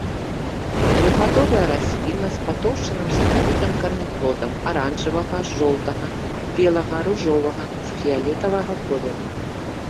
Двухгадовая расліна з патоўшчаным сакавітым караняплодам аранжавага, жоўтага, белага, ружовага ці фіялетавага колеру.